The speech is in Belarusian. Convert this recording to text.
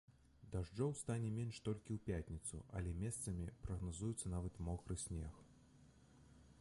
Дажджоў стане менш толькі ў пятніцу, але месцамі прагназуецца нават мокры снег.